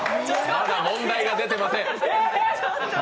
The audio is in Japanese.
まだ問題が出てません。